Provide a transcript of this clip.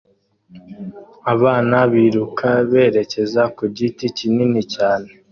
Abana biruka berekeza ku giti kinini cyane